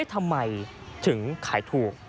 ทำไมถึงขายถูก